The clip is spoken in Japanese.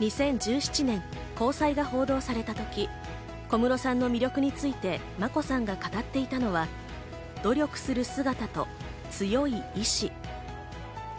２０１７年、交際が報道されたとき、小室さんの魅力について眞子さんが語っていたのは努力する姿と強い意志。